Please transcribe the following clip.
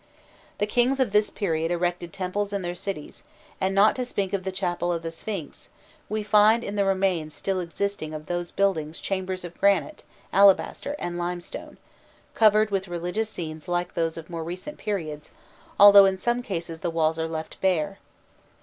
The kings of this period erected temples in their cities, and, not to speak of the chapel of the Sphinx, we find in the remains still existing of these buildings chambers of granite, alabaster and limestone, covered with religious scenes like those of more recent periods, although in some cases the walls are left bare.